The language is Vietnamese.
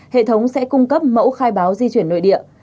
hệ thống sẽ cung cấp mẫu khai báo di chuyển nội địa